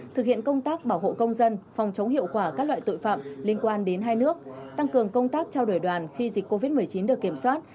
thực hiện công tác bảo hộ công dân phòng chống hiệu quả các loại tội phạm liên quan đến hai nước tăng cường công tác trao đổi đoàn khi dịch covid một mươi chín được kiểm soát